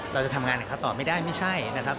เราจะทำงานกับเขาต่อไม่ได้ไม่ใช่นะครับ